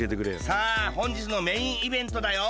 さあほんじつのメインイベントだよ！